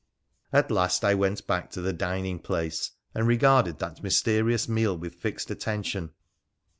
At last I went back to the dining place, and regarded that mysterious meal with fixed attention.